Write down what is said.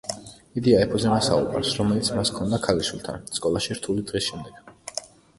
იდეა ეფუძნება საუბარს, რომელიც მას ჰქონდა ქალიშვილთან, სკოლაში რთული დღის შემდეგ.